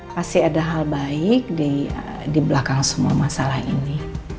pasti ada hal baik di belakang semua masalah ini